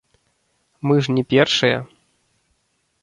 Мы ж не першыя.